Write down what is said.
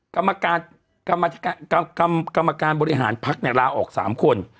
กรรมการบริหารภักดิ์เนี่ยลาออก๓คน